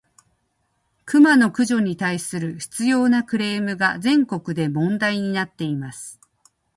クマの駆除に対する執拗（しつよう）なクレームが、全国で問題になっています。